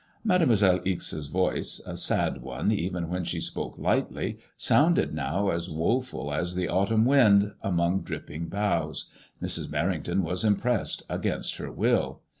Mademoiselle Ixe*8 voices a sad one even when she spoke lightly, sounded now as woeful as the autumn wind among dripping boughs. Mrs. Merring ton was impressed against her will.